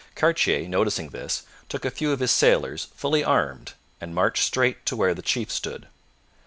Cartier, noticing this, took a few of his sailors, fully armed, and marched straight to where the chief stood.